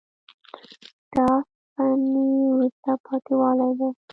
دا فني وروسته پاتې والی ده.